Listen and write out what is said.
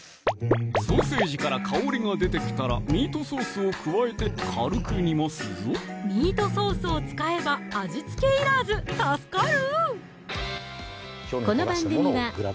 ソーセージから香りが出てきたらミートソースを加えて軽く煮ますぞミートソースを使えば味付けいらず助かる！